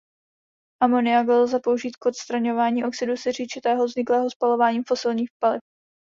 Amoniak lze použít k odstraňování oxidu siřičitého vzniklého spalováním fosilních paliv.